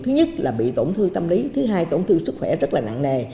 thứ nhất là bị tổn thương tâm lý thứ hai tổn thương sức khỏe rất là nặng nề